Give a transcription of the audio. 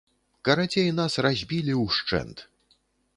Карацей, нас разбілі ўшчэнт.